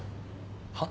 はっ？